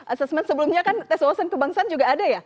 asesmen sebelumnya kan tes wawasan kebangsaan juga ada ya